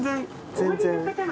全然。